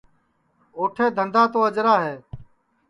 اوٹھے دھندا تو اجرا ہے